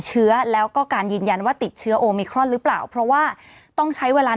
หรือว่ายังไม่เห็น